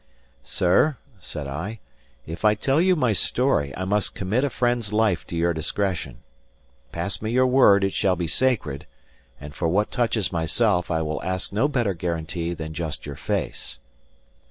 "Sir," said I, "if I tell you my story, I must commit a friend's life to your discretion. Pass me your word it shall be sacred; and for what touches myself, I will ask no better guarantee than just your face."